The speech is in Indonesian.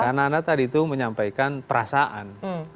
karena anda tadi itu menyampaikan perasaan